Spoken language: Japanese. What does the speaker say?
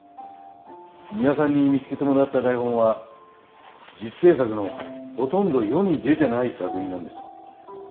ミワさんに見つけてもらった台本は自主制作のほとんど世に出てない作品なんです。